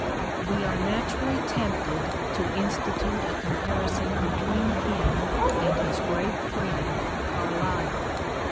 i64 EMERSON'S WRITINGS ' We are naturally tempted to institute a com parison between him and his great friend Carlyle.